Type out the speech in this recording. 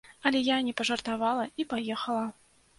Але я не пажартавала і паехала.